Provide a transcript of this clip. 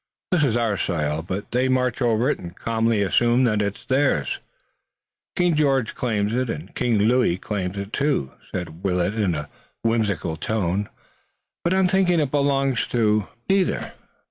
"This is our soil, but they march over it and calmly assume that it's their own." "King George claims it, and King Louis claims it, too," said Willet in a whimsical tone, "but I'm thinking it belongs to neither.